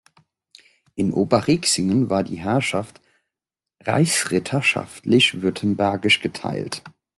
In Oberriexingen war die Herrschaft reichsritterschaftlich-württembergisch geteilt.